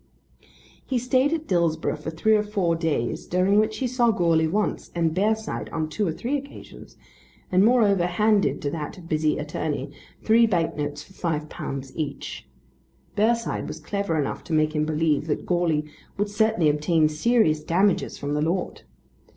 He stayed at Dillsborough for three or four days during which he saw Goarly once and Bearside on two or three occasions, and moreover handed to that busy attorney three bank notes for £5 each. Bearside was clever enough to make him believe that Goarly would certainly obtain serious damages from the lord.